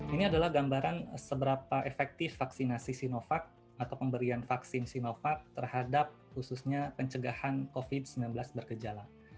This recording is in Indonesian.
ini adalah gambaran seberapa efektif vaksinasi sinovac atau pemberian vaksin sinovac terhadap khususnya pencegahan covid sembilan belas berkejala